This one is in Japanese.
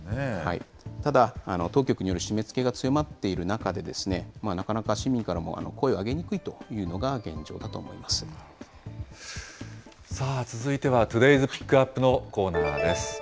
ただ、当局による締め付けが強まっている中で、なかなか市民からも声を上げにくいというのが現状続いては、トゥデイズ・ピックアップのコーナーです。